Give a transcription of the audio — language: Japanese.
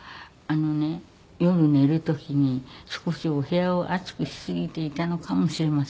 あのね夜寝る時に少しお部屋を熱くしすぎていたのかもしれません私の方が。